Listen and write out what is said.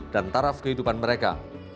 dan taraf kehidupan mereka